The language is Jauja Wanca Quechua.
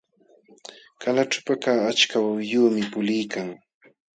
Qalaćhupakaq achka wawiyuqmi puliykan.